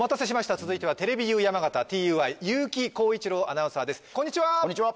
続いてはテレビユー山形ＴＵＹ結城晃一郎アナウンサーですこんにちはー！